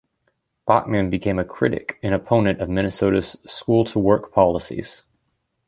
Bachmann became a critic and opponent of Minnesota's School-to-Work policies.